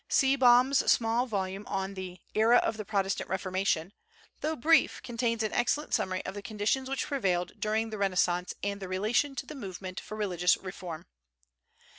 Seebohm's small volume on the "Era of the Protestant Reformation," though brief, contains an excellent summary of the conditions which prevailed during the Renaissance and their relation to the movement for religious reform.